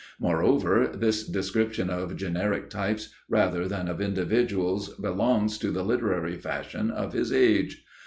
Moreover, this description of generic types rather than of individuals belongs to the literary fashion of his age.